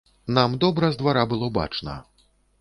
Нам добра з двара было бачна.